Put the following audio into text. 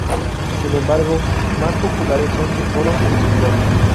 Sin embargo, más populares son su foro y su blog.